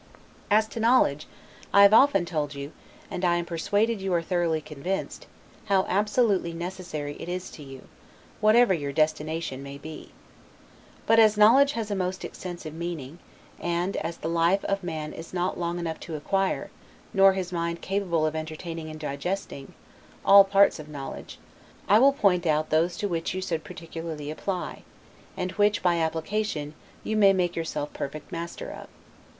As to knowledge, I have often told you, and I am persuaded you are thoroughly convinced, how absolutely necessary it is to you, whatever your destination may be. But as knowledge has a most extensive meaning, and as the life of man is not long enough to acquire, nor his mind capable of entertaining and digesting, all parts of knowledge, I will point out those to which you should particularly apply, and which, by application, you may make yourself perfect master of.